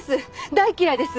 大嫌いです！